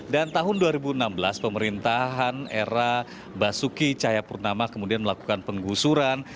dan tahun dua ribu enam belas pemerintahan era basuki cahayapurnama kemudian melakukan penggusuran